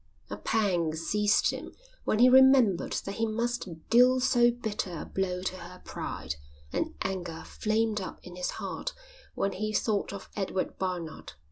A pang seized him when he remembered that he must deal so bitter a blow to her pride, and anger flamed up in his heart when he thought of Edward Barnard.